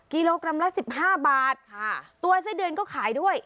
กิโลกรัมละสิบห้าบาทค่ะตัวไส้เดือนก็ขายด้วย